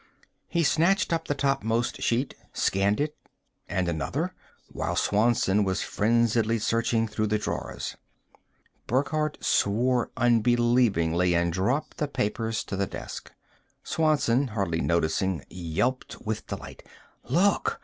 He snatched up the topmost sheet, scanned it, and another, while Swanson was frenziedly searching through the drawers. Burckhardt swore unbelievingly and dropped the papers to the desk. Swanson, hardly noticing, yelped with delight: "Look!"